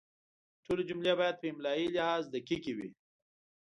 ټولې جملې باید په املایي لحاظ دقیقې وي.